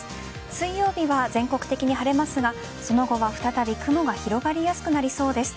水曜日は全国的に晴れますがその後は再び雲が広がりやすくなりそうです。